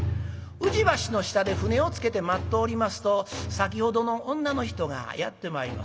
宇治橋の下で舟を着けて待っておりますと先ほどの女の人がやって参ります。